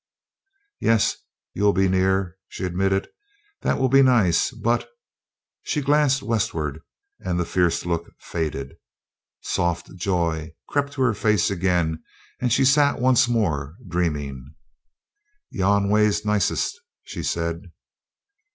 "Yes you'll be near," she admitted; "that'll be nice; but " she glanced westward, and the fierce look faded. Soft joy crept to her face again, and she sat once more dreaming. "Yon way's nicest," she said.